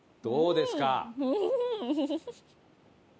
どうですか？